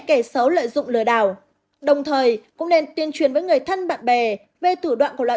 cố lợi dụng lừa đảo đồng thời cũng nên tiên truyền với người thân bạn bè về thủ đoạn của loại